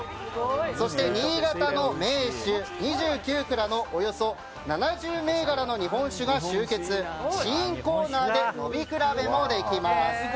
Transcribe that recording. そして新潟の銘酒、２９蔵の日本酒が集結、試飲コーナーで飲み比べもできます。